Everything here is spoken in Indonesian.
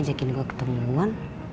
amir kasihan parkurnya